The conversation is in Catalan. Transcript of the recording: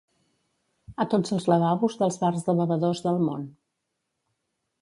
A tots els lavabos dels bars de bevedors del món.